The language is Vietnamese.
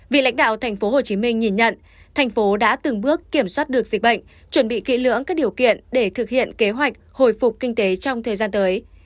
vị lãnh đạo thành phố hồ chí minh nhìn nhận thành phố đã từng bước kiểm soát được dịch bệnh chuẩn bị kỹ lưỡng các điều kiện để thực hiện kế hoạch hồi phục kinh tế trong thời gian tới